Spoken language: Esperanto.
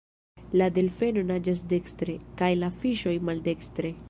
La Delfeno naĝas dekstre, kaj la Fiŝoj maldekstre.